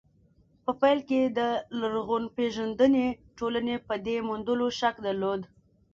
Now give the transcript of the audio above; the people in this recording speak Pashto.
په پيل کې د لرغونپېژندنې ټولنې په دې موندنو شک درلود.